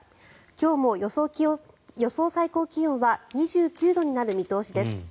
今日も予想最高気温は２９度になる見通しです。